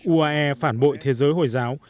uae phản bội thế giới hồi giáo